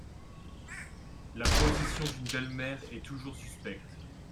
La position d’une belle-mère est toujours suspecte.